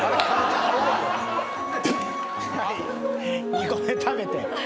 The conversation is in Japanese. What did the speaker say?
２個目食べて。